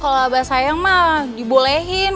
kalau abah sayang mah dibolehin